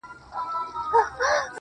خو چي څو ورځي څپېړي پر مخ وخوري -